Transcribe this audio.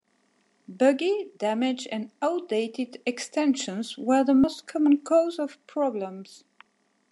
Buggy, damaged and outdated extensions were the most common cause of problems.